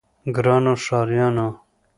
ګرانو ښاريانو!